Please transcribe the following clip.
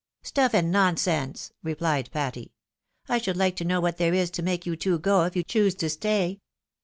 " Stuif and nonsense !" replied Patty. " I shovdd like to know what there is to make you two go, if you choose to stay